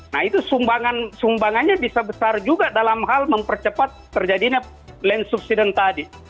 nah itu sumbangannya bisa besar juga dalam hal mempercepat terjadinya land subsidence tadi